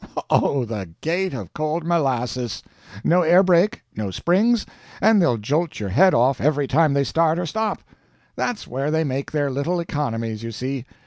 oh, the gait of cold molasses; no air brake, no springs, and they'll jolt your head off every time they start or stop. That's where they make their little economies, you see.